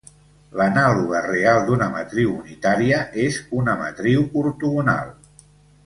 L'anàloga real d'una matriu unitària és una matriu ortogonal.